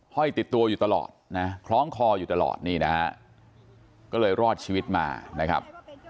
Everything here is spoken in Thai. ห้อยติดตัวอยู่ตลอดนะคล้องคออยู่ตลอดนี่นะฮะก็เลยรอดชีวิตมานะครับ